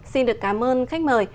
xin được cảm ơn khách mời